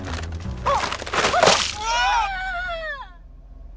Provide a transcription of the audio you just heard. あっ！